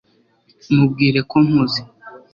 mubwire ko mpuze